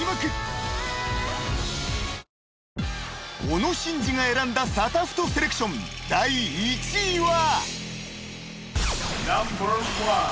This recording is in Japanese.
［小野伸二が選んだサタフトセレクション第１位は？］